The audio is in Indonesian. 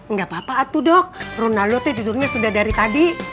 nggak apa apa tuh dok ronaldo tidurnya sudah dari tadi